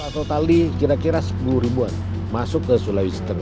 total kira kira sepuluh ribuan masuk ke sulawesi tengah